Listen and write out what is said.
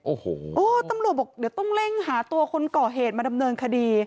โอ้โหตำรวจบอกเดี๋ยวต้องเร่งหาตัวคนก่อเหตุมาดำเนินคดี